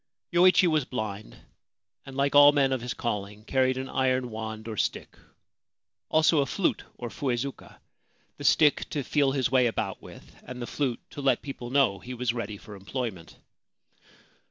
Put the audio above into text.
Yoichi was blind, and, like all men of his calling, carried an iron wand or stick, also a flute or * fuezuka '— the stick to feel his way about with, and the flute to let people know he was ready for employment.